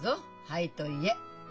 「はい」と言え。